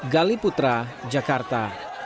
gali putra jakarta